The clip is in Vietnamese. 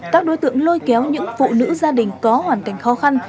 các đối tượng lôi kéo những phụ nữ gia đình có hoàn cảnh khó khăn